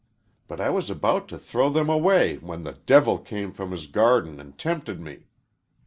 But I was about to throw them away when the devil came from his garden and tempted me.